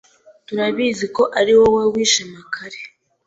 Turabizi ko ariwowe wishe Mikali.